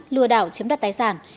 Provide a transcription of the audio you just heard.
lừa đảo chiếm đoạt tài sản